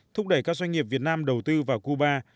thúc đẩy các doanh nghiệp việt nam đầu tư vào cuba